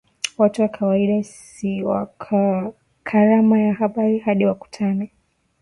Watu wa kawaida si wa karama ya habari hadi wakutane